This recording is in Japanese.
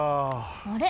あれ？